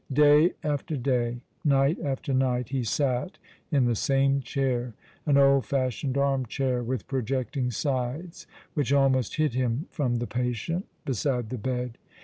Day after day, night after night, he sat in the same chair — an old fashioned armchair, with projecting sides, which almost hid him from the patient — beside the bed.